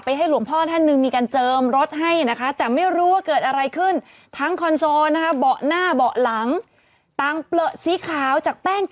เนี่ยเป็นแป้งเจิมหรือเปล่าเลยสะบัดกันอยู่เต็มรสแบบนี้นะคะ